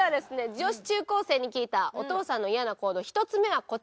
女子中高生に聞いたお父さんの嫌な行動１つ目はこちらです。